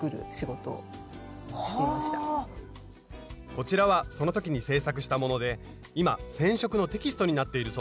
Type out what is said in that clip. こちらはその時に制作したもので今染色のテキストになっているそうです。